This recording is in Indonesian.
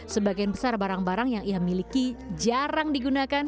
sebagian besar barang barang yang ia miliki jarang digunakan